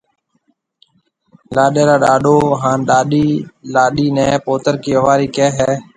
لاڏيَ را ڏاڏو هانَ ڏاڏِي لاڏيِ نَي پوترڪِي ووارِي ڪهيَ هيَ۔